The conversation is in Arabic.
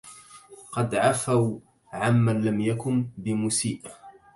قد عفوا عمن لم يكن بمسيء